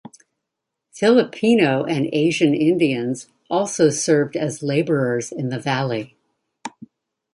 Filipinos and Asian Indians also served as laborers in the Valley.